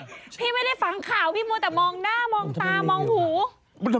พี่ไม่ได้ฟังข่าวพี่มัวแต่มองหน้ามองตามองหู